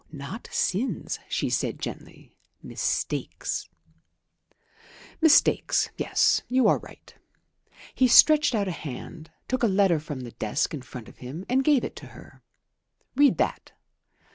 "Not sins," she said gently. "Mistakes." "Mistakes, yes you are right." He stretched out a hand, took a letter from the desk in front of him and gave it to her. "Read that."